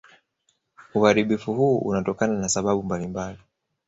Uharibifu huu unatokana na sababu mbalimbali